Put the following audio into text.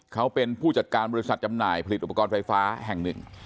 เขาเป็นผู้จัดการบริษัทจำหน่ายผลิตอุปกรณ์ไฟฟ้าแห่งหนึ่ง